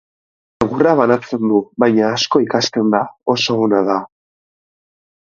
Egurra banatzen du, baina asko ikasten da, oso ona da.